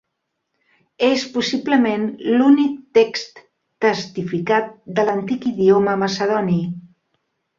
És, possiblement, l'únic text testificat de l'antic idioma macedoni.